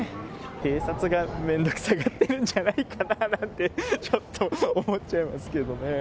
警察が面倒くさがってるんじゃないかななんて、ちょっと思っちゃいますけどね。